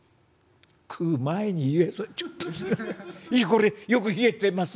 えっこれよく冷えてます